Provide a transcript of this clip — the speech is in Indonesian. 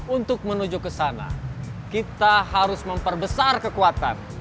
untuk menuju kesana kita harus memperbesar kekuatan